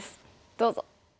どうぞ！